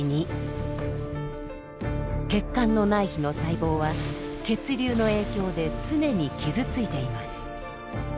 血管の内皮の細胞は血流の影響で常に傷ついています。